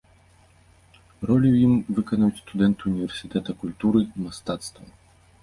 Ролі ў ім выканаюць студэнты ўніверсітэта культуры і мастацтваў.